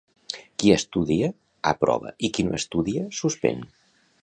Qui estudia aprova i qui no estudia suspèn